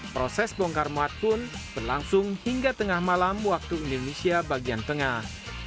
proses bongkar muat pun berlangsung hingga tengah malam waktu indonesia bagian tengah